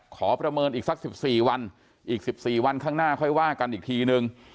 ขอประเมินอีกสักสิบสี่วันอีกสิบสี่วันข้างหน้าค่อยว่ากันอีกทีหนึ่ง